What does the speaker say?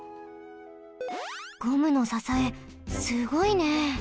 ゴムのささえすごいね！